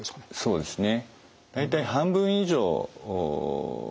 そうですね。